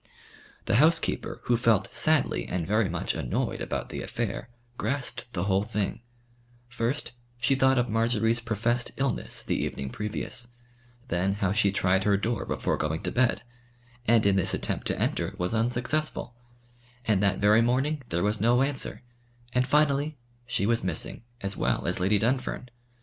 The housekeeper, who felt sadly and very much annoyed about the affair, grasped the whole thing first, she thought of Marjory's professed illness the evening previous, then how she tried her door before going to bed, and in this attempt to enter was unsuccessful, and that very morning there was no answer, and, finally, she was missing as well as Lady Dunfern.